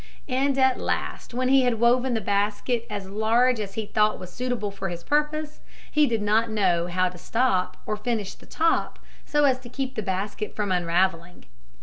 And at last when he had woven the basket as large as he thought was suitable for his purpose, he did not know how to stop or finish the top so as to keep the basket from unraveling.